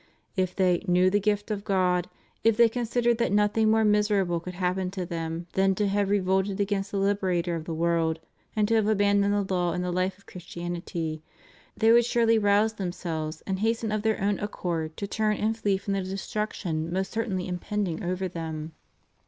If they "knew the gift of God," if they considered that nothing more miserable could happen to them than to have revolted against the Liberator of the world and to have abandoned the law and the life of Christianity, they would surely rouse themselves and hasten of their own accord to turn and flee from the destruction most certainly impending over them.